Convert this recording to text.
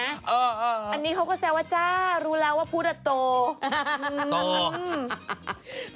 อันนี้เขาก็แซวว่าจ้ารู้แล้วว่าพุทธโต